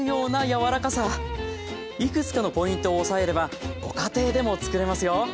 いくつかのポイントを押さえればご家庭でも作れますよ！